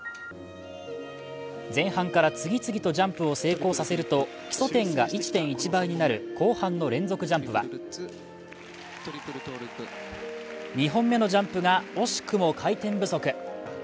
前半から次々とジャンプを成功させると、基礎点が１．１倍になる後半の連続ジャンプは２本目のジャンプが惜しくも回転不足。